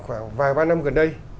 khoảng vài ba năm gần đây